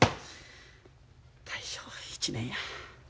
大正７年や。